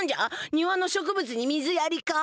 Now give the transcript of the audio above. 庭の植物に水やりか。